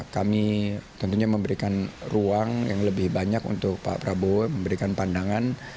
kami tentunya memberikan ruang yang lebih banyak untuk pak prabowo memberikan pandangan